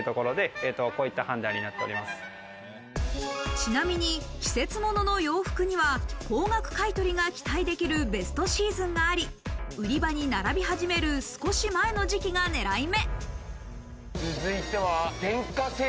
ちなみに、季節物の洋服には高額買取が期待できるベストシーズンがあり、売り場に並び始める少し前の時期が狙い目。